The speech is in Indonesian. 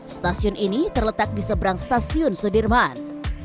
stasiun ini terletak di seberang stasiun sudirman